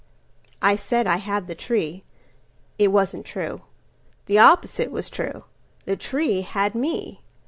I said I had the tree. It wasn't true. The opposite was true. The tree had me.